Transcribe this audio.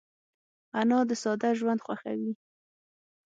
انا د ساده ژوند خوښوي